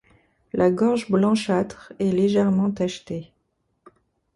La gorge blanchâtre est légèrement tachetée.